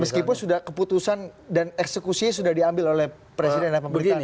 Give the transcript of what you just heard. meskipun sudah keputusan dan eksekusinya sudah diambil oleh presiden dan pemerintahan